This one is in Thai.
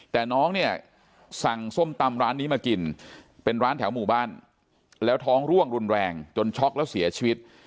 แต่น้องเนี่ยสั่งส้มตำร้านนี้มากินเป็นร้านแถวหมู่บ้านแล้วท้องร่วงรุนแรงจนช็อกแล้วเสียชีวิต